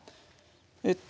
えっと